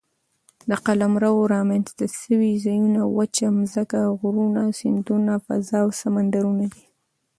د قلمرو رامنځ ته سوي ځایونه وچه مځکه، غرونه، سیندونه، فضاء او سمندرونه دي.